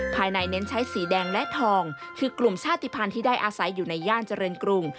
เน้นใช้สีแดงและทองคือกลุ่มชาติภัณฑ์ที่ได้อาศัยอยู่ในย่านเจริญกรุง